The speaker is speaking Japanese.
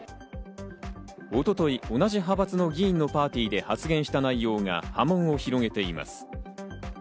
一昨日、同じ派閥の議員のパーティーで発言した内容が波紋を広げています。